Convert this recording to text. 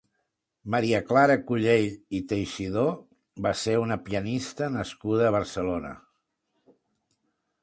Maria Clara Cullell i Teixidó va ser una pianista nascuda a Barcelona.